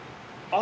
あ